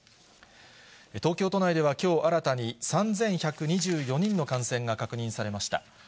東京都内ではきょう新たに３１２４人の感染が確認されました。